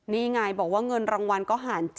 นี่ไงบอกว่าเงินรางวัลก็หาร๗๐